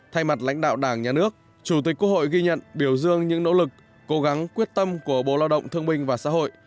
thay mặt lãnh đạo đảng nhà nước chủ tịch quốc hội ghi nhận biểu dương những nỗ lực cố gắng quyết tâm của bộ lao động thương minh và xã hội